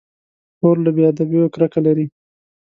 خور له بې ادبيو کرکه لري.